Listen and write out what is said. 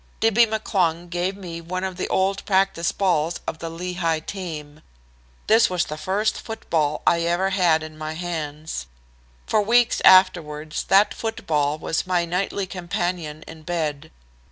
Dibby McClung gave me one of the old practice balls of the Lehigh team. This was the first football I ever had in my hands. For weeks afterwards that football was my nightly companion in bed.